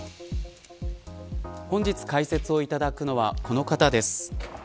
本日解説をいただくのはこの方です。